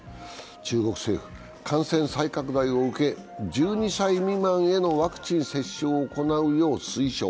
中国政府は感染再拡大を受け１２歳未満へのワクチン接種を行うよう推奨。